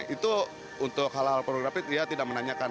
itu untuk hal hal pornografi tidak menanyakan